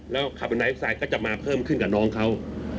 แล้วขับบนไอเอฟไซด์ก็จะมาเพิ่มขึ้นกับน้องเขา